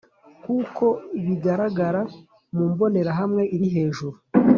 nk uko bigaragara mu mbonerahamwe iri hejuru